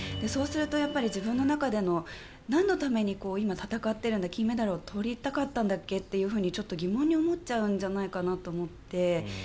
そうすると自分の中でのなんのために今戦ってるんだ金メダルを取りたかったんだっけとちょっと疑問に思っちゃうんじゃないかなと思って。